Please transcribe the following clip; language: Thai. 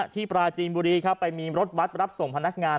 ปราจีนบุรีครับไปมีรถบัตรรับส่งพนักงาน